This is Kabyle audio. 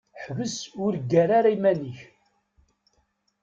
Ḥbes ur ggar ara iman-ik.